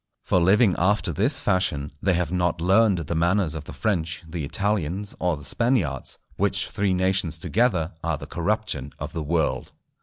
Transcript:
For living after this fashion, they have not learned the manners of the French, the Italians, or the Spaniards, which three nations together are the corruption of the world.